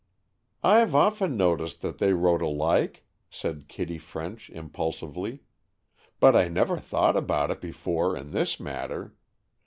"I've often noticed that they wrote alike," said Kitty French impulsively, "but I never thought about it before in this matter.